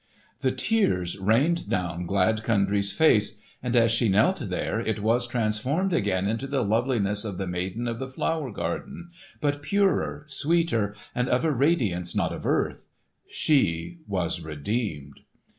The tears rained down glad Kundry's face; and as she knelt there, it was transformed again into the loveliness of the maiden of the flower garden, but purer, sweeter, and of a radiance not of earth. She was redeemed!